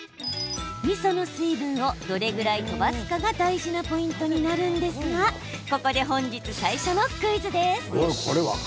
みその水分をどれぐらい飛ばすかが大事なポイントになるんですがここで本日最初のクイズです。